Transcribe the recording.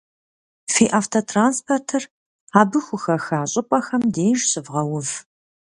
Фи автотранспортыр абы хухэха щӀыпӀэхэм деж щывгъэув.